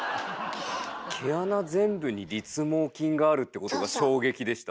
毛穴全部に立毛筋があるってことが衝撃でした。